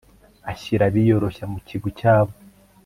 ashyira abiyoroshya mu kigwi cyabo